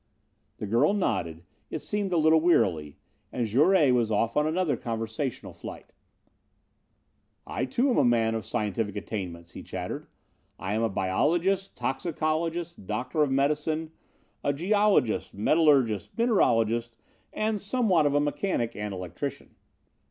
The girl nodded, it seemed a little wearily, and Jouret was off on another conversational flight: "I too am a man of scientific attainments," he chattered. "I am a biologist, toxicologist, doctor of medicine, a geologist, metalurgist, mineralogist, and somewhat of a mechanic and electrician.